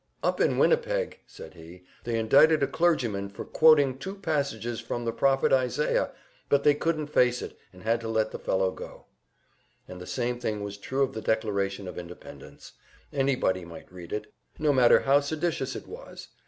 "Up in Winnipeg," said he, "they indicted a clergyman for quoting two passages from the prophet Isaiah, but they couldn't face it, they had to let the fellow go." And the same thing was true of the Declaration of Independence; anybody might read it, no matter how seditious it was.